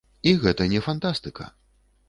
І гэта не фантастыка.